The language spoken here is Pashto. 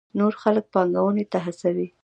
نور خلک پانګونې ته هڅوي.